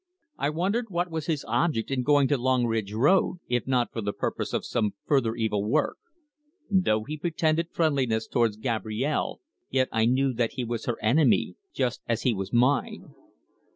I wondered what was his object in going to Longridge Road, if not for the purpose of some further evil work. Though he pretended friendliness towards Gabrielle, yet I knew that he was her enemy, just as he was mine.